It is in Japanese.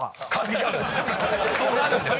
そうなるんですよ。